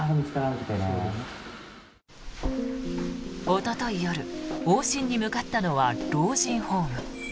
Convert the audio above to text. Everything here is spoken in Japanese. おととい夜往診に向かったのは老人ホーム。